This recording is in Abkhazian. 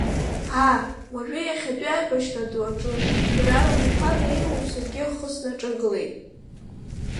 Аа, уажәы иахьатәи аибашьра ду аҿы, дара рабиԥара еиуоу саргьы ахы снаҿагылеит.